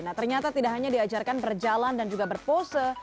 nah ternyata tidak hanya diajarkan berjalan dan juga berpose